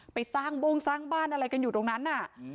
ไปสร้างโบ้งสร้างบ้านอะไรกันอยู่ตรงนั้นน่ะ